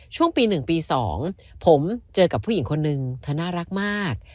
ช่วงปี๑ปี๒ผมเจอกับผู้หญิงคนนึงเธอน่ารักมาก